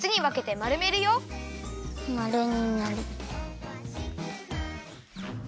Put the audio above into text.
まるになれ。